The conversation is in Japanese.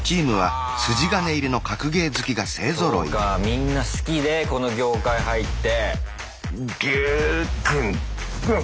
みんな好きでこの業界入って。